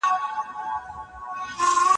زه به سبا مکتب ته ولاړم.